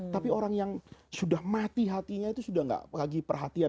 tapi orang yang sudah mati hatinya itu sudah tidak lagi perhatian